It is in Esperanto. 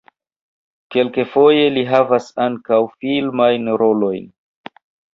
Kelkfoje li havas ankaŭ filmajn rolojn.